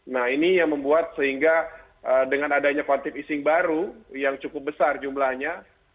nah ini yang membuat sehingga dengan adanya quantive easing baru yang cukup besar jumlahnya